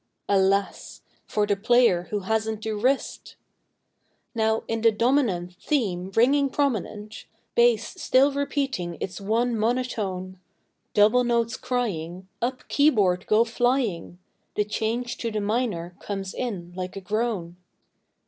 (Alas! for the player who hasn't the wrist!) Now in the dominant Theme ringing prominent, Bass still repeating its one monotone, Double notes crying, Up keyboard go flying, The change to the minor comes in like a groan.